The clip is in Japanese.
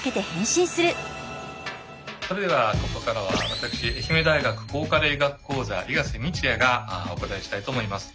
それではここからは私愛媛大学抗加齢医学講座伊賀瀬道也がお答えしたいと思います。